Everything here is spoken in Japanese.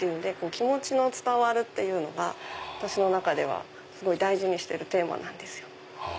気持ちの伝わるっていうのが私の中ではすごい大事にしてるテーマなんですよ。